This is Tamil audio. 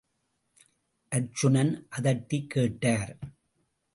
அர்ச்சுனன், அதட்டிக் கேட்டார்.